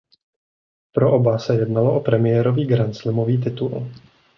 Pro oba se jednalo o premiérový grandslamový titul.